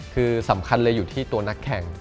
คือสำคัญเลยอยู่ที่ตัวนักแข่ง